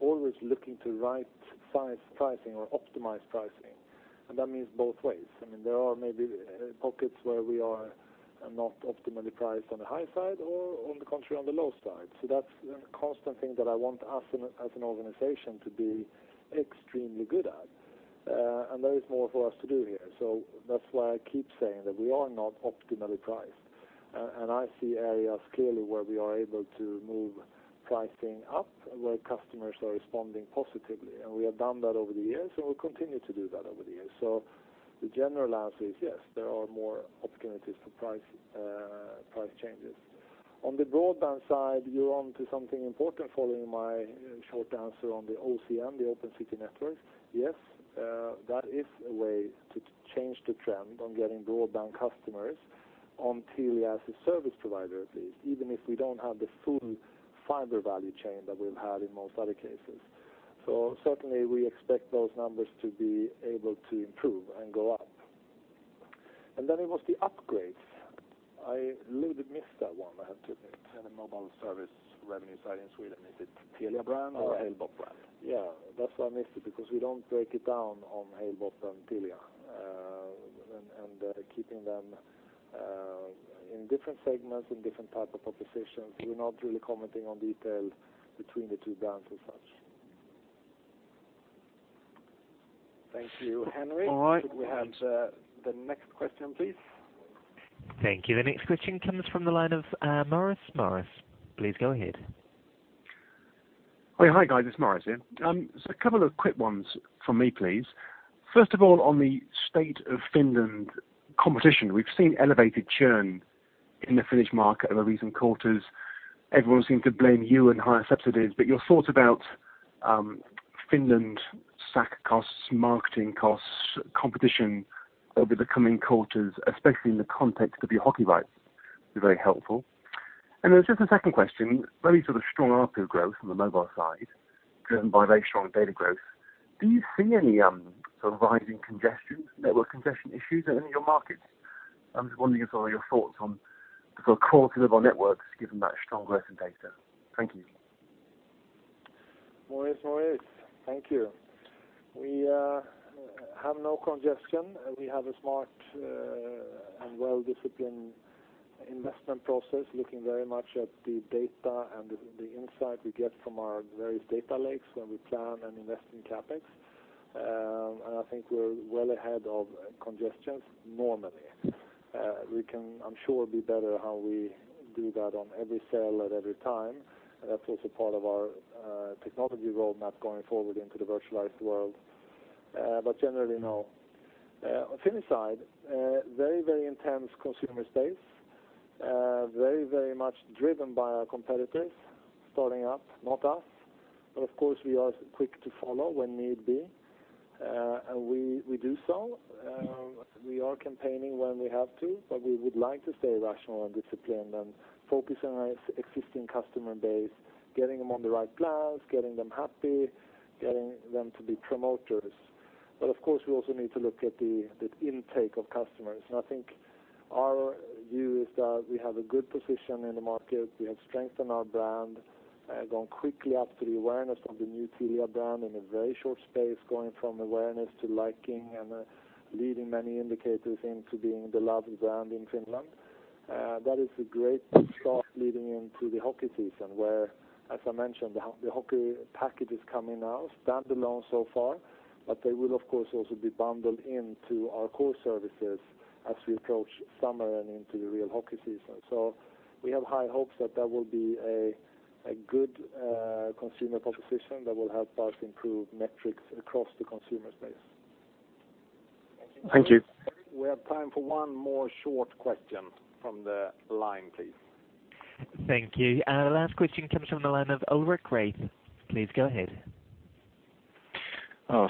always looking to right size pricing or optimize pricing, and that means both ways. There are maybe pockets where we are not optimally priced on the high side or on the contrary, on the low side. That's a constant thing that I want us as an organization to be extremely good at. There is more for us to do here. That's why I keep saying that we are not optimally priced. I see areas clearly where we are able to move pricing up, where customers are responding positively. We have done that over the years, and we'll continue to do that over the years. The general answer is, yes, there are more opportunities for price changes. On the broadband side, you're onto something important following my short answer on the OCN, the Open City Network. Yes, that is a way to change the trend on getting broadband customers on Telia as a service provider, at least, even if we don't have the full fiber value chain that we've had in most other cases. Certainly, we expect those numbers to be able to improve and go up. Then it was the upgrades. I missed that one, I have to admit. On the mobile service revenue side in Sweden. Is it Telia brand or Halebop brand? Yeah. That's why I missed it, because we don't break it down on Halebop and Telia. Keeping them in different segments and different type of propositions, we're not really commenting on details between the two brands as such. Thank you, Henrik. All right. Could we have the next question, please? Thank you. The next question comes from the line of Maurice. Maurice, please go ahead. Hi, guys, it's Maurice here. A couple of quick ones from me, please. First of all, on the state of Finland competition, we've seen elevated churn in the Finnish market over recent quarters, everyone seemed to blame you and higher subsidies, but your thoughts about Finland's SAC costs, marketing costs, competition over the coming quarters, especially in the context of your hockey rights, would be very helpful. Just a second question, very sort of strong ARPU growth on the mobile side driven by very strong data growth. Do you see any sort of rising congestion, network congestion issues in your markets? I'm just wondering your thoughts on the sort of core to mobile networks, given that strong growth in data. Thank you. Maurice. Thank you. We have no congestion. We have a smart and well-disciplined investment process, looking very much at the data and the insight we get from our various data lakes when we plan and invest in CapEx. I think we're well ahead of congestions normally. We can, I'm sure, be better how we do that on every cell at every time. That's also part of our technology roadmap going forward into the virtualized world. Generally, no. On Finland's side, very intense consumer space. Very much driven by our competitors starting up, not us. Of course, we are quick to follow when need be, and we do so. We are campaigning when we have to, but we would like to stay rational and disciplined and focus on our existing customer base, getting them on the right plans, getting them happy, getting them to be promoters. Of course, we also need to look at the intake of customers. I think our view is that we have a good position in the market. We have strengthened our brand, gone quickly up to the awareness of the new Telia brand in a very short space, going from awareness to liking and leading many indicators into being the loved brand in Finland. That is a great start leading into the hockey season, where, as I mentioned, the hockey package is coming out, standalone so far, but they will of course also be bundled into our core services as we approach summer and into the real hockey season. We have high hopes that that will be a good consumer proposition that will help us improve metrics across the consumer space. Thank you. We have time for one more short question from the line, please. Thank you. Our last question comes from the line of Ulrich Rathe. Please go ahead.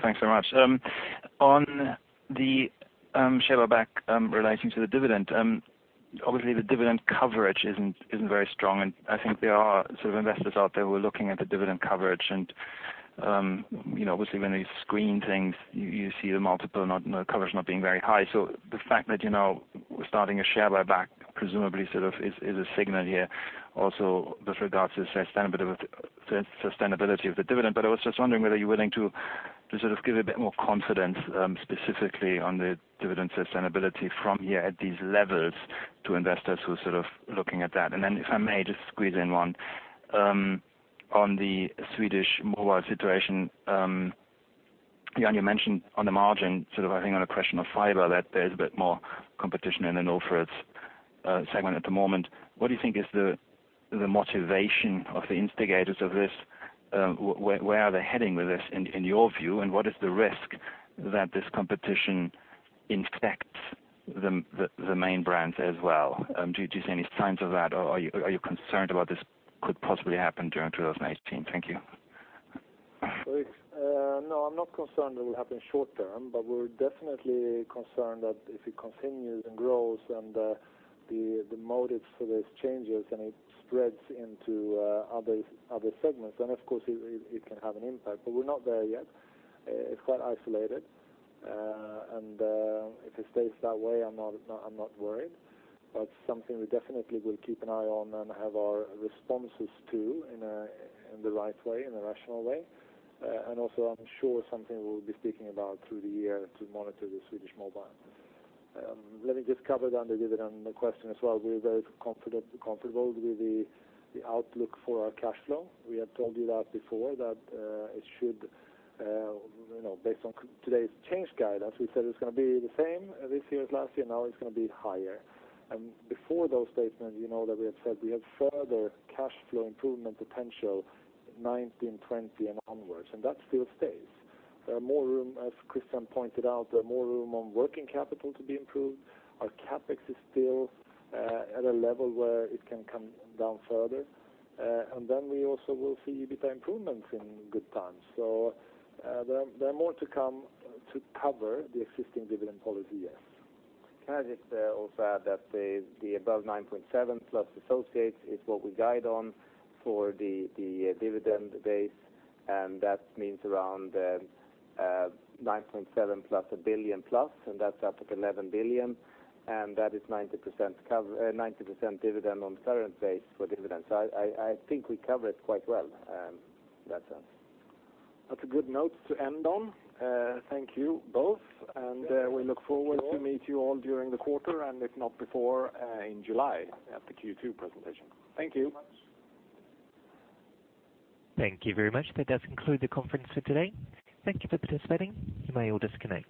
Thanks very much. On the share buyback relating to the dividend, obviously the dividend coverage isn't very strong, and I think there are sort of investors out there who are looking at the dividend coverage and obviously when they screen things, you see the multiple coverage not being very high. The fact that we're starting a share buyback presumably sort of is a signal here also with regards to sustainability of the dividend. I was just wondering whether you're willing to sort of give a bit more confidence, specifically on the dividend sustainability from here at these levels to investors who are sort of looking at that. If I may just squeeze in one. On the Swedish mobile situation, Johan, you mentioned on the margin, sort of I think on a question of fiber, that there's a bit more competition in the no-frills segment at the moment. What do you think is the motivation of the instigators of this? Where are they heading with this in your view, and what is the risk that this competition infects the main brands as well? Do you see any signs of that, or are you concerned about this could possibly happen during 2018? Thank you. I'm not concerned that will happen short term, we're definitely concerned that if it continues and grows and the motives for this changes and it spreads into other segments, then of course it can have an impact. We're not there yet. It's quite isolated. If it stays that way, I'm not worried. Something we definitely will keep an eye on and have our responses to in the right way, in a rational way. I'm sure something we'll be speaking about through the year to monitor the Swedish mobile. Let me just cover then the dividend question as well. We're very comfortable with the outlook for our cash flow. We have told you that before, that it should, based on today's change guide, as we said, it's going to be the same this year as last year. Now it's going to be higher. Before those statements, you know that we have said we have further cash flow improvement potential 2019, 2020, and onwards, and that still stays. As Christian pointed out, there are more room on working capital to be improved. Our CapEx is still at a level where it can come down further. We also will see EBITDA improvements in good time. There are more to come to cover the existing dividend policy, yes. Can I just also add that the above 9.7 plus associates is what we guide on for the dividend base. That means around 9.7 plus a billion plus. That's up at 11 billion. That is 90% dividend on the current base for dividends. I think we cover it quite well. That's us. That's a good note to end on. Thank you both. We look forward to meet you all during the quarter, and if not before, in July at the Q2 presentation. Thank you. Thank you very much. Thank you very much. That does conclude the conference for today. Thank you for participating. You may all disconnect.